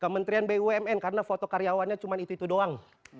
kementerian bumn karena foto karyawannya cuma itu itu doang